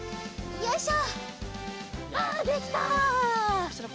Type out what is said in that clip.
よいしょ！